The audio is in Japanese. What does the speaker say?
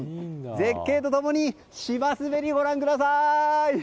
絶景と共に芝滑りをご覧ください！